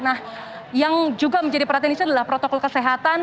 nah yang juga menjadi perhatian istri adalah protokol kesehatan